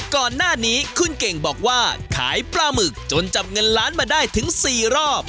ก่อนหน้านี้คุณเก่งบอกว่าขายปลาหมึกจนจับเงินล้านมาได้ถึง๔รอบ